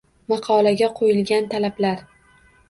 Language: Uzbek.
Maqolaga qo‘yilgan talablar